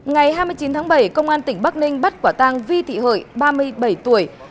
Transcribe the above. ngày hai mươi chín tháng bảy công an tỉnh bắc ninh bắt quả tang vi thị hợi ba mươi bảy tuổi